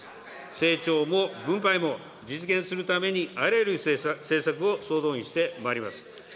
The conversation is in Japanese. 成長も分配も実現するためにあらゆる政策を総動員してまいります。